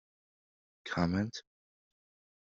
Comment?